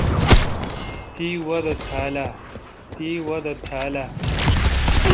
تی وادہ تھا اؘ ۔